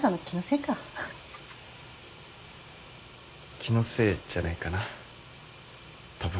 気のせいじゃないかなたぶん。